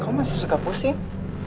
kau masih suka pusing